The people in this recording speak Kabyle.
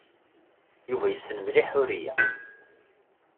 Yuba yessen mliḥ Ḥuriya.